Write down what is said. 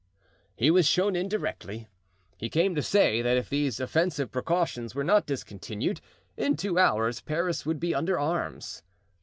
He was shown in directly; he came to say that if these offensive precautions were not discontinued, in two hours Paris would be under arms.